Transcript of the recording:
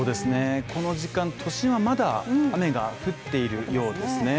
この時間都心はまだ雨が降っているようですね